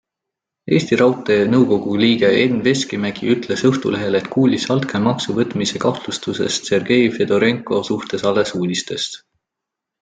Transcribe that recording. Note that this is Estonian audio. Eesti Raudtee nõukogu liige Enn Veskimägi ütles Õhtulehele, et kuulis altkäemaksu võtmise kahtlustustest Sergei Fedorenko suhtes alles uudistest.